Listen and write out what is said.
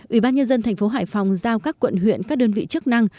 ủy ban nhân dân thành phố hải phòng giao các quận huyện các đơn vị chức năng